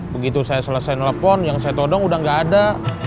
begitu saya selesai nelpon yang saya todong udah gak ada